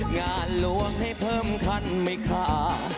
งานหลวงให้เพิ่มขั้นไม่ค่า